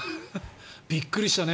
びっくりしたね。